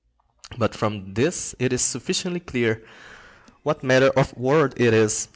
But from this it is sufficiently clear what manner of world it is.